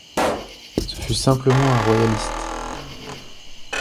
Ce fut simplement un royaliste.